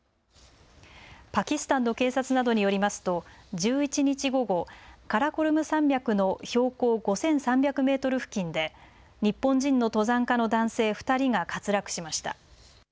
パキスタンの警察などによりますと１１日午後、カラコルム山脈の標高５３００メートル付近で日本人の登山家の男性２人が滑落しました。